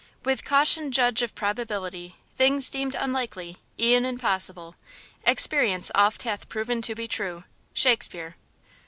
With caution judge of probability, Things deemed unlikely, e'en impossible, Experience oft hath proven to be true. –SHAKESPEARE.